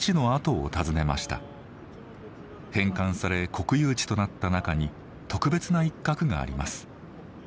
返還され国有地となった中に特別な一画があります。